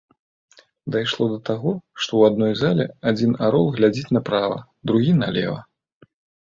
Дайшло да таго, што ў адной зале адзін арол глядзіць направа, другі налева!